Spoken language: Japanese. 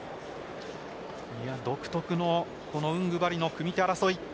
独特のウングバリの組み手争い。